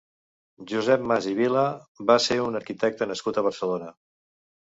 Josep Mas i Vila va ser un arquitecte nascut a Barcelona.